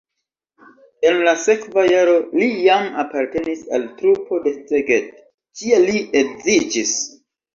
En la sekva jaro li jam apartenis al trupo de Szeged, kie li edziĝis.